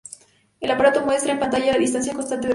El aparato muestra en pantalla la distancia constante al fondo.